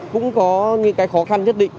cũng có những khó khăn nhất định